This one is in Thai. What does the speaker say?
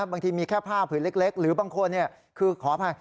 บางทีมีแค่ผ้าผืนเล็กหรือบางคนคือขออภัย